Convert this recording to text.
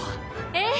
ええ。